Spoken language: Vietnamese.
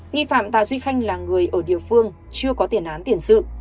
nghi phạm tà duy khanh là người ở địa phương chưa có tiền án tiền sự